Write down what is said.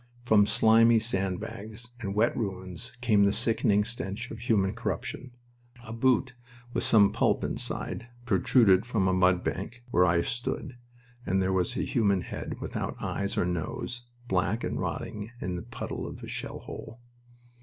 From slimy sand bags and wet ruins came the sickening stench of human corruption. A boot with some pulp inside protruded from a mud bank where I stood, and there was a human head, without eyes or nose, black, and rotting in the puddle of a shell hole.